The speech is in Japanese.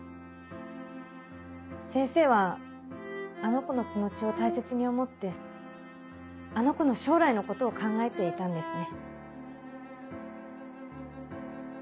先生はあの子の気持ちを大切に思ってあの子の将来のことを考えていたんですね。